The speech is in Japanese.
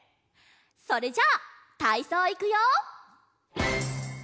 それじゃたいそういくよ！